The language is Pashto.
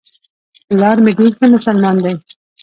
پلار مي ډېر ښه مسلمان دی .